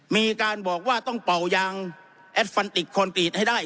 มีการบอกว่าต้องเป่ายางให้ได้